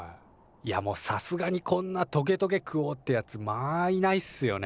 いやもうさすがにこんなトゲトゲ食おうってやつまあいないっすよね。